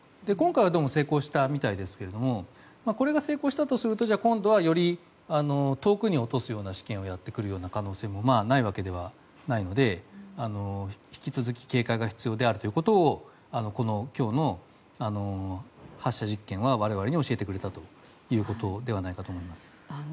今回はどうも成功したみたいですけどこれが成功したとすると今度はより遠くに落とすような実験をやってくるような可能性もないわけではないので引き続き警戒が必要であるということを今日の発射実験は我々に教えてくれたということではないかと思います。